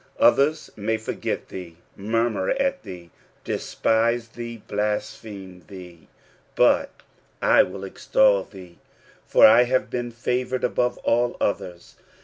Others may forget thee, murmur at thee, despise thee, blaspheme thee, but "I will extol thee," for I have been favoured above all otherB.